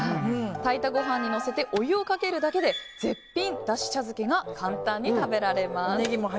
炊いたご飯にのせてお湯をかけるだけで絶品だし茶漬けが簡単に食べられます。